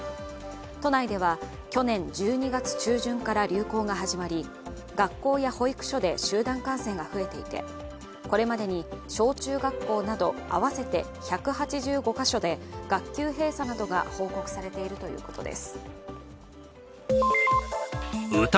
都内では去年１２月中旬から流行が始まり学校や保育所で集団感染が増えていて、これまでに小中学校など合わせて１８５か所で学校閉鎖などが報告されているということです。